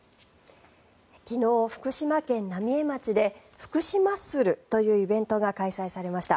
昨日、福島県浪江町で福島ッスルというイベントが開催されました。